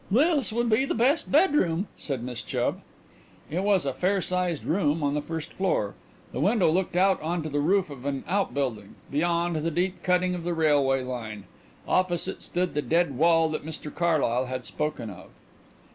"This would be the best bedroom," said Miss Chubb. It was a fair sized room on the first floor. The window looked out on to the roof of an outbuilding; beyond, the deep cutting of the railway line. Opposite stood the dead wall that Mr Carlyle had spoken of.